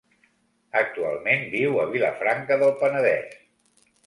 Actualment viu a Vilafranca del Penedès.